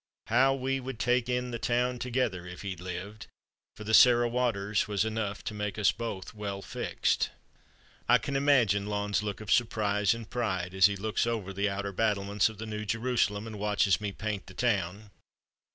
How we would take in the town together if he'd lived, for the Sarah Waters was enough to make us both well fixed. "I can imagine Lon's look of surprise and pride as he looks over the outer battlements of the New Jerusalem and watches me paint the town.